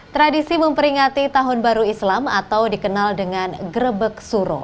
tradisi memperingati tahun baru islam atau dikenal dengan grebek suro